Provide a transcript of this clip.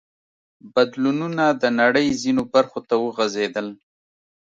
بدلونونه د نړۍ ځینو برخو ته وغځېدل.